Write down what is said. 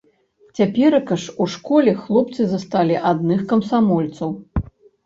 Цяперака ж у школе хлопцы засталі адных камсамольцаў.